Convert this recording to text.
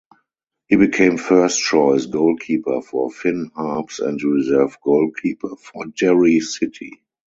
He became first choice goalkeeper for Finn Harps and reserve goalkeeper for Derry City.